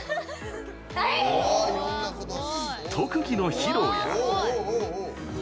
特技の披露や。